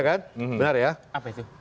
enggak informasi hoaks ini maksudnya